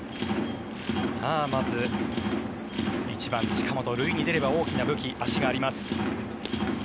まず１番、近本塁に出れば大きな武器、足があります。